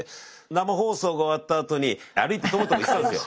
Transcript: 生放送が終わった後に歩いてとぼとぼ行ってたんですよ。